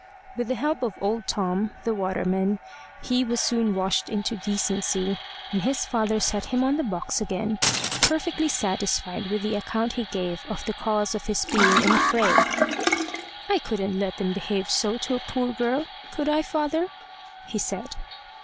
With the help of old Tom, the waterman, he was soon washed into decency, and his father set him on the box again, perfectly satisfied with the account he gave of the cause of his being in a fray. "I couldn't let them behave so to a poor girl could I, father?" he said.